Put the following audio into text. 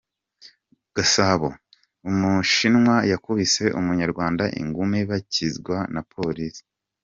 Gasabo:Umushinwa yakubise umunyarwanda ingumi bakizwa na Polisi.